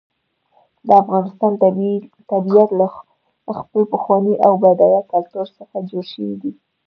د افغانستان طبیعت له خپل پخواني او بډایه کلتور څخه جوړ شوی دی.